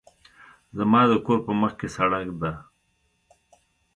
زما د کور په مخکې سړک ده